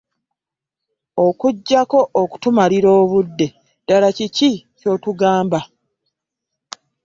Okuggyako okutumalira obudde ddala kiki ky'otugamba?